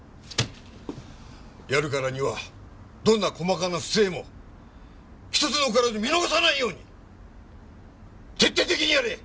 やるからにはどんな細かな不正も一つ残らず見逃さないように徹底的にやれ！